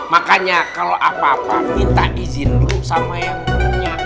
makanya kalau apa apa minta izin dulu sama yang punya